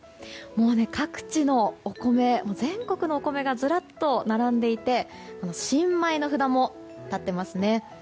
もう、各地のお米全国のお米がずらっと並んでいて新米の札も立っていますね。